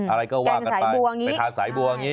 อะไรก็ว่ากันไปไปทานสายบัวอย่างนี้